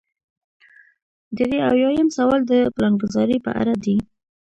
درې اویایم سوال د پلانګذارۍ په اړه دی.